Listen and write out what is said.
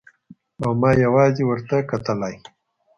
او ما يوازې ورته کتلای.